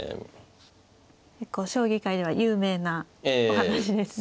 結構将棋界では有名なお話ですね。